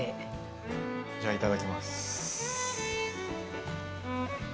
じゃあいただきます。